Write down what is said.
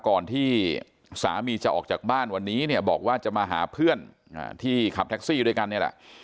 ก่อนที่สามีจะออกจากบ้านวันนี้เนี่ยบอกว่าจะมาหาเพื่อนที่ขับแท็กซี่ด้วยกันนี่แหละ